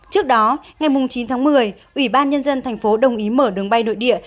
trước đó ngày chín tháng một mươi ủy ban nhân dân thành phố đồng ý mở đường bay nội địa